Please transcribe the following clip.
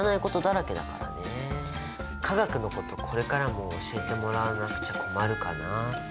化学のことこれからも教えてもらわなくちゃ困るかなって。